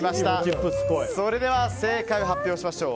それでは正解を発表しましょう。